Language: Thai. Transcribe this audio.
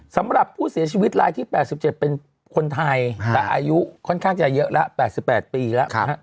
สำหรับผู้เสียชีวิตรายที่๘๗เป็นคนไทยแต่อายุค่อนข้างจะเยอะแล้ว๘๘ปีแล้ว